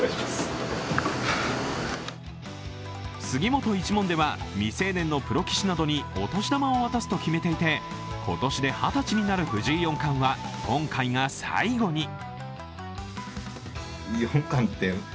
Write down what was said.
杉本一門では未成年のプロ棋士などにお年玉を渡すと決めていて今年で二十歳になる藤井四冠は今回が最後に。